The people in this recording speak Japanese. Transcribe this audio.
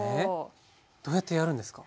どうやってやるんですか？